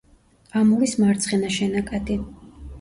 ამურის მარცხენა შენაკადი.